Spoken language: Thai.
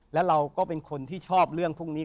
แล้วเราก็เป็นคนที่ชอบเรื่องพวกนี้